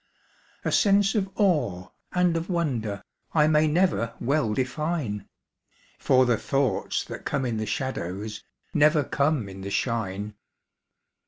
A sense of awe and of wonder I may never well define, For the thoughts that come in the shadows Never come in the shine.